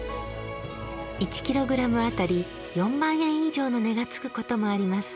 １キログラム当たり４万円以上の値がつくこともあります。